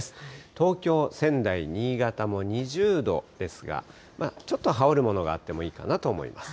東京、仙台、新潟も２０度ですが、ちょっと羽織るものがあってもいいかなと思います。